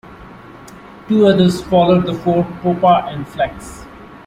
Two others followed the four, Poppa and Flex.